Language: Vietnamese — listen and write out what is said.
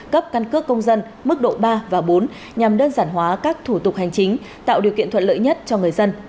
cấp căn cước công dân mức độ ba và bốn nhằm đơn giản hóa các thủ tục hành chính tạo điều kiện thuận lợi nhất cho người dân